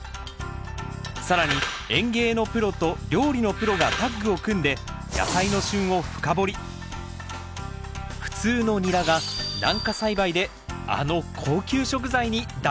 更に園芸のプロと料理のプロがタッグを組んで普通のニラが軟化栽培であの高級食材に大変身！